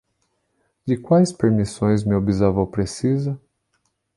De quais permissões meu bisavô precisa?